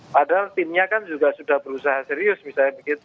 padahal timnya kan juga sudah berusaha serius misalnya begitu